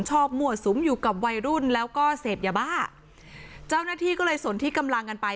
มั่วสุมอยู่กับวัยรุ่นแล้วก็เสพยาบ้าเจ้าหน้าที่ก็เลยสนที่กำลังกันไป